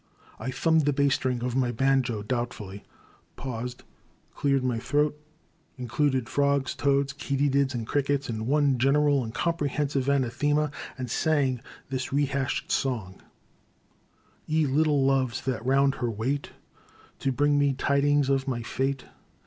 I thumbed the bass string of my banjo doubt fully, paused, cleared my throat, included frogs, toads, katydids, and crickets in one general and comprehensive anathema, and sang this re hashed song: " Ye little loves that round her wait To bring me tidings of my fate.